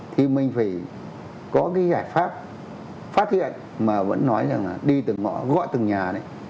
thì mình phải có cái giải pháp phát hiện mà vẫn nói rằng là đi từng ngõ gọi từng nhà đấy